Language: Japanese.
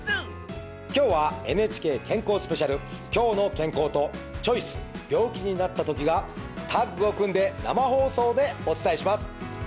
今日はＮＨＫ健康スペシャル「きょうの健康」と「チョイス＠病気になったとき」がタッグを組んで生放送でお伝えします！